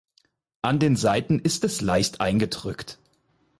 An den Seiten ist es leicht eingedrückt.